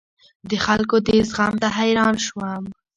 د خلکو دې زغم ته حیران شوم.